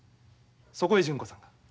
そこへ純子さんが。